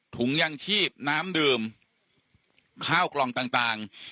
ถุงยังชีพน้ำดื่มข้าวกล่องต่าง